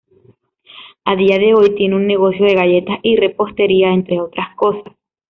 A día de hoy, tiene un negocio de galletas y repostería, entre otras cosas.